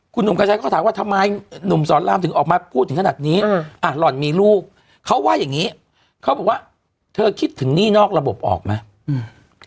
คุณหนุ่มกระชัยก็ถามว่าทำไมหนุ่มสอนรามถึงออกมาพูดถึงขนาดนี้อ่ะหล่อนมีลูกเขาว่าอย่างนี้เขาบอกว่าเธอคิดถึงหนี้นอกระบบออกไหม